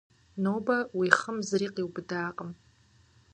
Нобэ уи хъым зыри къиубыдакъым.